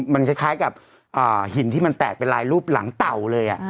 มันคล้ายกับหินที่มันแตกเป็นลายรูปหลังเต่าเลย